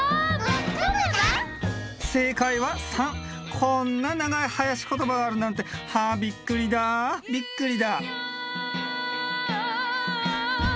こんな長いはやしことばがあるなんてはあびっくりだびっくりだ「イーヤー」